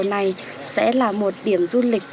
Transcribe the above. giờ này sẽ là một điểm du lịch